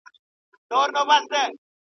ما د افغانستان د غرونو په اړه یو داستان ولیکی.